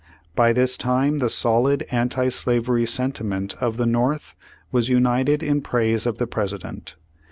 By this time the solid anti slavery sentiment of the North was united in praise of the President.